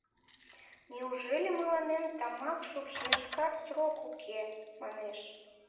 Неужели мыланем тамак шупшмешкат срок уке, — манеш.